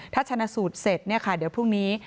ถ้าชนะสูตรเสร็จเนี่ยค่ะเดี๋ยวพรุ่งนี้